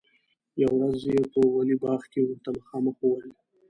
یوه ورځ یې په ولي باغ کې ورته مخامخ وویل.